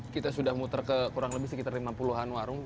kita sudah muter ke kurang lebih sekitar lima puluh an warung